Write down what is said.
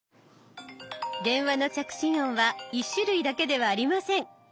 電話の着信音は１種類だけではありません。